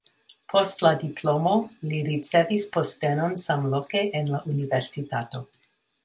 Post la diplomo li ricevis postenon samloke en la universitato.